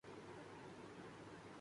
رات کو جب گلی سنسان ہو گئی